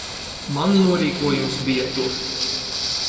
Man norīkojums bija tur.